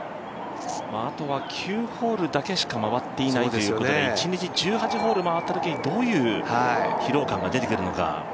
あとは９ホールだけしか回ってないということで一日１８ホール回ったときにどういう疲労感が出てくるのか。